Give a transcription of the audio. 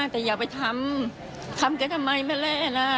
แต่อย่าไปทำทำแต่ทำไมแม่แร่นะ